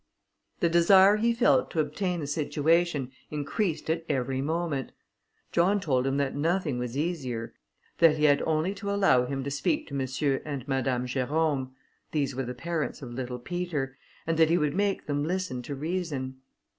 The desire he felt to obtain the situation increased at every moment. John told him that nothing was easier; that he had only to allow him to speak to M. and Madame Jerôme, these were the parents of little Peter; and that he would make them listen to reason.